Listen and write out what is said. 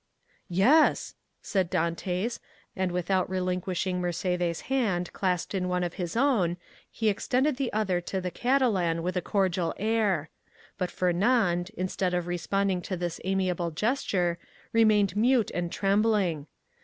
"Yes!" said Dantès, and without relinquishing Mercédès' hand clasped in one of his own, he extended the other to the Catalan with a cordial air. But Fernand, instead of responding to this amiable gesture, remained mute and trembling.